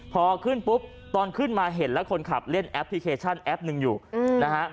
พอขึ้นปุ๊บตอนขึ้นมาเห็นแล้วคนขับเล่นแอปพลิเคชันแอปหนึ่งอยู่นะฮะ